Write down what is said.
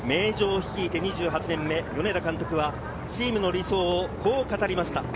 名城を率いて２８年目、米田監督はチームの理想をこう語りました。